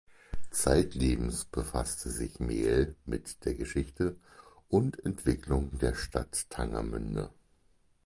Zeitlebens befasste sich Mehl mit der Geschichte und Entwicklung der Stadt Tangermünde.